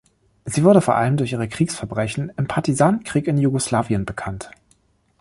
Sie wurde vor allem durch ihre Kriegsverbrechen im Partisanenkrieg in Jugoslawien bekannt.